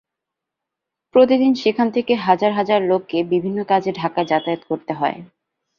প্রতিদিন সেখান থেকে হাজার হাজার লোককে বিভিন্ন কাজে ঢাকায় যাতায়াত করতে হয়।